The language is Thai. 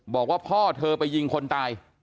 บอกว่าพ่อเธอไปยิงคนตาย